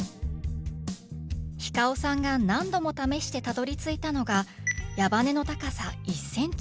ｈｉｃａｏさんが何度も試してたどりついたのが矢羽根の高さ１ｃｍ。